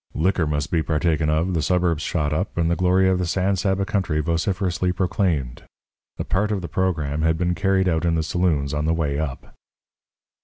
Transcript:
Liquor must be partaken of, the suburbs shot up, and the glory of the San Saba country vociferously proclaimed. A part of the programme had been carried out in the saloons on the way up.